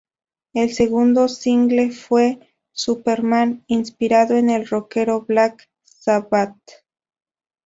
El segundo single fue ""Superman"", inspirado en el roquero Black Sabbath.